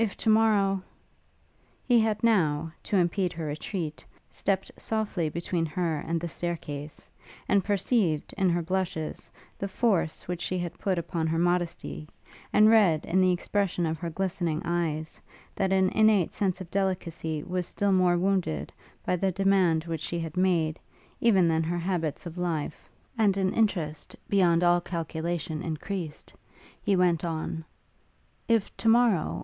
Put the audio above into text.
if to morrow ' He had now, to impede her retreat, stept softly between her and the staircase, and perceived, in her blushes, the force which she had put upon her modesty; and read, in the expression of her glistening eyes, that an innate sense of delicacy was still more wounded, by the demand which she had made, even than her habits of life. With respect, therefore, redoubled, and an interest beyond all calculation increased, he went on; 'If to morrow